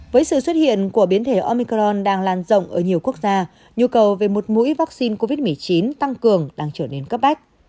với sự xuất hiện của biến thể omicron đang lan rộng ở nhiều quốc gia nhu cầu về một mũi vaccine covid một mươi chín tăng cường đang trở nên cấp bách